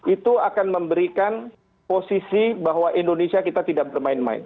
itu akan memberikan posisi bahwa indonesia kita tidak bermain main